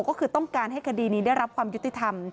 ก็คือต้องการให้คดีนี้ได้รับความยุติธรรม